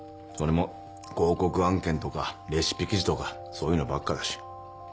それも広告案件とかレシピ記事とかそういうのばっかだし。